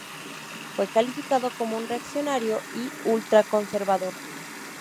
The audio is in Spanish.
Fue calificado como un "reaccionario" y "ultraconservador".